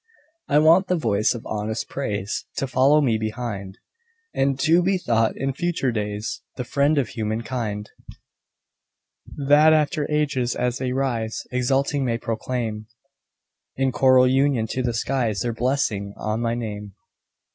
I want the voice of honest praise To follow me behind, And to be thought in future days The friend of human kind, That after ages, as they rise, Exulting may proclaim In choral union to the skies Their blessings on my name.